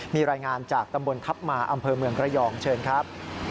มีรายงานจากตำบลทัพมาอำเภอเมืองระยองเชิญครับ